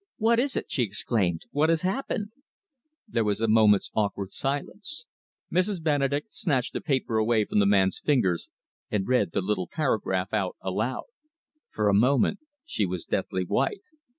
"What is it?" she exclaimed. "What has happened?" There was a moment's awkward silence. Mrs. Benedek snatched the paper away from the man's fingers and read the little paragraph out aloud. For a moment she was deathly white.